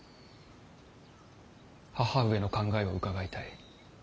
母上の考えを伺いたい。